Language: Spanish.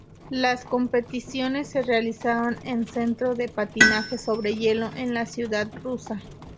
Las competiciones se realizaron en Centro de Patinaje sobre Hielo de la ciudad rusa.